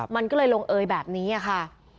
มันก็เลยลงเอยแบบนี้ค่ะ